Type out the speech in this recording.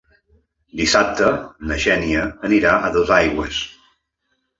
Dissabte na Xènia anirà a Duesaigües.